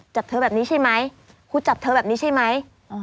จับเธอแบบนี้ใช่ไหมครูจับเธอแบบนี้ใช่ไหม